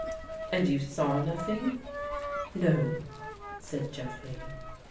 And you saw nothing? "" No," said Jeffrey.